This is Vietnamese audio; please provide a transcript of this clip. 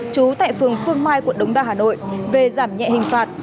trú tại phường phương mai quận đống đa hà nội về giảm nhẹ hình phạt